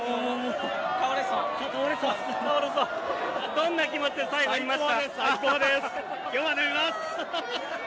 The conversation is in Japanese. どんな気持ちで最後見ました？